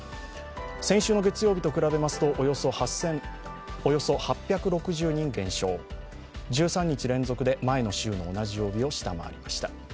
先週の月曜日と比べますとおよそ８６０人減少、１３日連続で前の週の同じ曜日を下回りました。